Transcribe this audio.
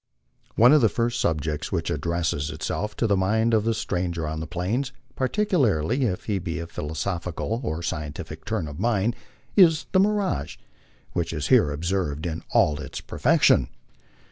One of the first subjects which addresses itself to the mind of the stranger on the Plains, particularly if he be of a philosophical or scientific turn of mind, is the mirage, which is here observed in all its perfection.